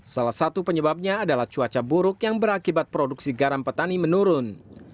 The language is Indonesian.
salah satu penyebabnya adalah cuaca buruk yang berakibat produksi garam petani menurun